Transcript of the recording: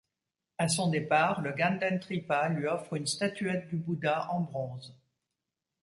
À son départ, le Ganden Tripa lui offre une statuette du Bouddha en bronze.